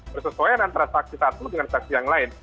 bersesuaian antara saksi satu dengan saksi yang lain